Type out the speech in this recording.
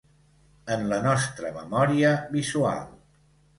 En la nostra memòria visual.